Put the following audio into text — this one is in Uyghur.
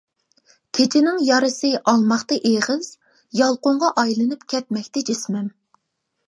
كېچىنىڭ يارىسى ئالماقتا ئېغىز، يالقۇنغا ئايلىنىپ كەتمەكتە جىسمىم.